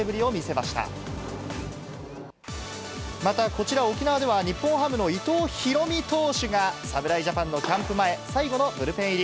また、こちら沖縄では、日本ハムの伊藤大海投手が、侍ジャパンのキャンプ前、最後のブルペン入り。